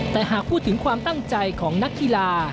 แต่หากพูดถึงความตั้งใจของนักกีฬา